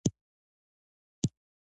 ټینګه رابطه لري.